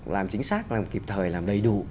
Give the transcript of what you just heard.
làm chính xác làm kịp thời làm đầy đủ